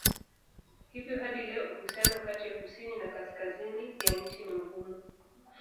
Hivyo hadi leo uhusiano kati ya kusini na kaskazini ya nchi ni mgumu.